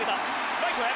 ライトへ。